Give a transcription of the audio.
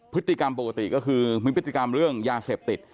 พฤติกรรมปกติก็คือมีพฤติกรรมเรื่องยาเสพติด